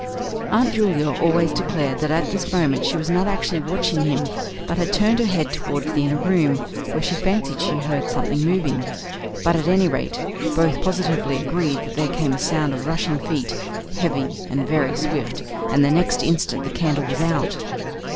Aunt Julia always declared that at this moment she was not actually watching him, but had turned her head towards the inner room, where she fancied she heard something moving; but, at any rate, both positively agreed that there came a sound of rushing feet, heavy and very swift and the next instant the candle was out!